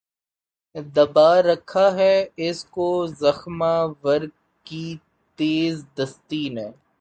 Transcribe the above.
دبا رکھا ہے اس کو زخمہ ور کی تیز دستی نے